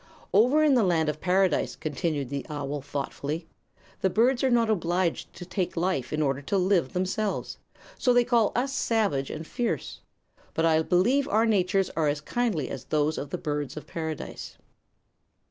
"Over in the Land of Paradise," continued the owl, thoughtfully, "the birds are not obliged to take life in order to live themselves; so they call us savage and fierce. But I believe our natures are as kindly as those of the Birds of Paradise."